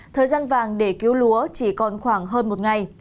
thời gian vàng để cứu lúa chỉ còn khoảng hơn một ngày